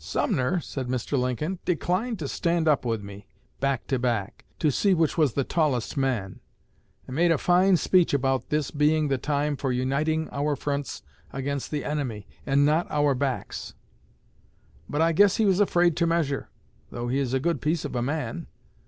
"Sumner," said Mr. Lincoln, "declined to stand up with me, back to back, to see which was the tallest man, and made a fine speech about this being the time for uniting our fronts against the enemy, and not our backs. But I guess he was afraid to measure, though he is a good piece of a man.